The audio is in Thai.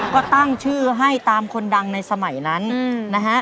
ก็ตั้งชื่อให้ตามคนดังในสมัยนั้นนะฮะ